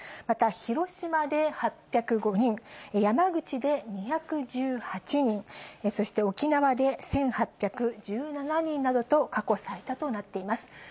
また広島で８０５人、山口で２１８人、そして沖縄で１８１７人などと、過去最多となっています。